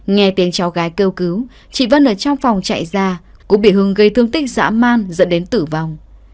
nghe tiếng cháu gái kêu cứu chị vân ở trong phòng chạy ra cũng bị hưng gây thương tích dã man dẫn đến tử vong